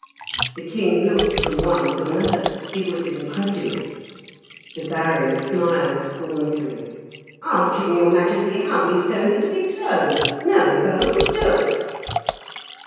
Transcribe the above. The king looked from one to another; he was incredulous. The Baron smiled scornfully. "Ask him, your majesty, how these stones are to be thrown; no bow could do it."